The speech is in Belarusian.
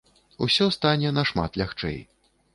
Усё стане нашмат лягчэй.